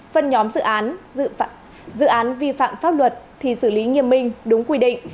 phân nhóm dự án vi phạm pháp luật thì xử lý nghiêm minh đúng quy định